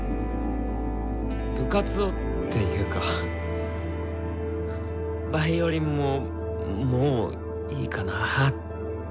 部活をっていうかヴァイオリンももういいかなみたいな？